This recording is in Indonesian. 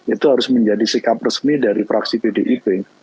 itu harus menjadi sikap resmi dari fraksi pdip